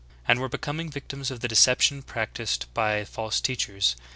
and were becoming victims of the deception practiced by false teachers.